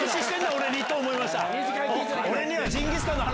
俺に！と思いました？